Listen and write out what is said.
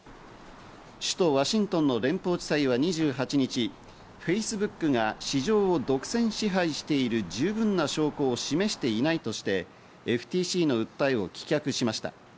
首都ワシントンの連邦地裁は２８日、Ｆａｃｅｂｏｏｋが市場を独占支配している十分な証拠を示していないとして、ＦＴＣの訴えを棄却しました。